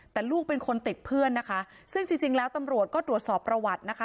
แต่ลูกเป็นคนติดเพื่อนนะคะซึ่งจริงจริงแล้วตำรวจก็ตรวจสอบประวัตินะคะ